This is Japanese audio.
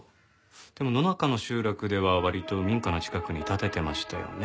でも野中の集落では割と民家の近くに立ててましたよね？